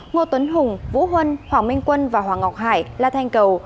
ngô tuấn hùng vũ huân hoàng minh quân và hoàng ngọc hải la thanh cầu